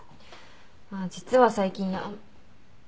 まあ実は最近やっ。